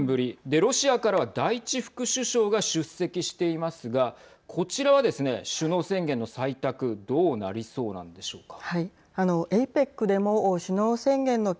で、ロシアからは第１副首相が出席していますがこちらはですね、首脳宣言の採択どうなりそうなんでしょうか。